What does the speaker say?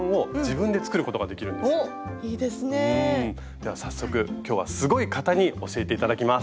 では早速今日はすごい方に教えて頂きます。